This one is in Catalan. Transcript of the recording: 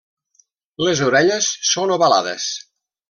Les orelles són ovalades.